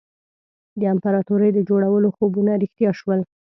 د امپراطوري د جوړولو خوبونه رښتیا شول.